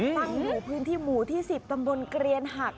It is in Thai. และประงูที่หมู่ที่๑๐ตำบลเกเร็ญหัก